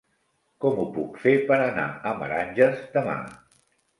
Com ho puc fer per anar a Meranges demà?